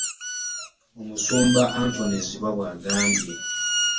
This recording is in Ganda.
Omusumba Anthony Zziwa bw'agambye